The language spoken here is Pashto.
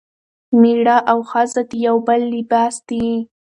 میړه او ښځه د یو بل لباس دي.